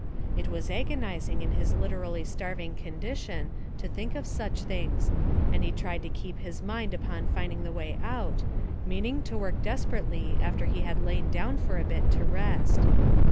It was agonising in his literally starving condition to think of such things, and he tried to keep his mind upon finding the way out, meaning to work desperately after he had lain down for a bit to rest.